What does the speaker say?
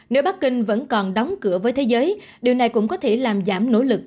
nếu bắc kinh vẫn còn đóng cửa với thế giới điều này cũng có thể làm giảm nỗ lực